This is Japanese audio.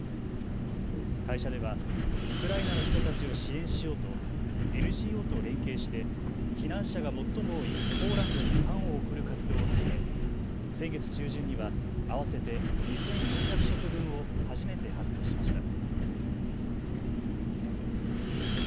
会社ではウクライナの人たちを支援しようとＮＧＯと連携して避難者が最も多いポーランドにパンを送る活動を始め先月中旬には合わせて２４００食分を初めて発送しました。